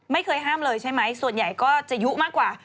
ไม่เคยห้ามเลยใช่ไหมส่วนใหญ่ก็จะยุมากกว่า